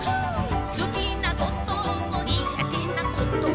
「すきなこともにがてなことも」